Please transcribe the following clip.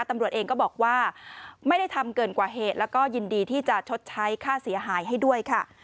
ตำรวจเองก็บอกว่าไม่ได้ทำเกินกว่าเหตุแล้วก็ยินดีที่จะชดใช้ค่าเสียหายให้ด้วยค่ะ